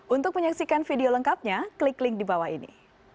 untuk menyaksikan video lengkapnya klik link di bawah ini